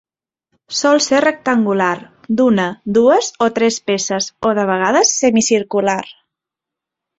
Sol ser rectangular d'una, dues o tres peces, o de vegades semicircular.